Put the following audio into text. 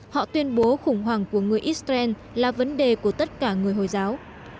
họ tuyên bố khủng hoảng của người israel là vấn đề của tất cả người hồi giáo